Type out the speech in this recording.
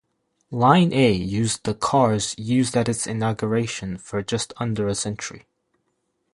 Line A used the cars used at its inauguration for just under a century.